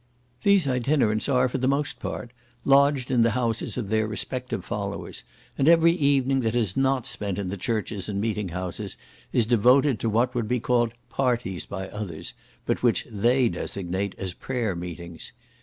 These itinerants are, for the most part, lodged in the houses of their respective followers, and every evening that is not spent in the churches and meeting houses, is devoted to what would be called parties by others, but which they designate as prayer meetings.